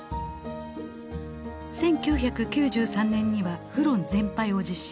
１９９３年にはフロン全廃を実施。